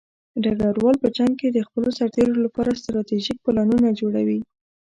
ډګروال په جنګ کې د خپلو سرتېرو لپاره ستراتیژیک پلانونه جوړوي.